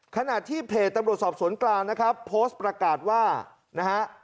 ขณะที่เพจตำรวจสอบสวนกลางนะครับโพสต์ประกาศว่านะฮะ